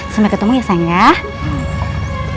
sampai ketemu ya sayang